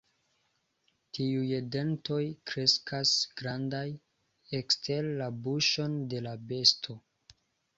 Tiuj dentoj kreskas grandaj, ekster la buŝon de la besto.